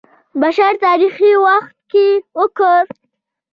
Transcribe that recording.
بشر تاریخ وخت کې وکړ.